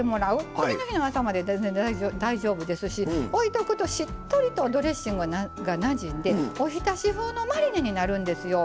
次の日の朝まで全然大丈夫ですし置いておくと、しっとりとドレッシングがなじんでおひたし風のマリネになるんですよ。